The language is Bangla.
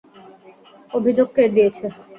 অভিযোগ কে দিয়েছে?